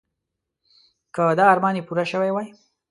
که دا ارمان یې پوره شوی وای.